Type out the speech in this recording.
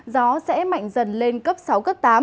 gió sẽ mạnh dần lên cấp sáu cấp tám